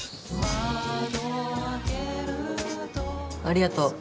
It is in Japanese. ありがとう。